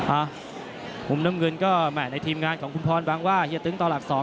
อ่ะมุมน้ำเงินก็แหม่ในทีมงานของคุณพรวางว่าเฮียตึงต่อหลัก๒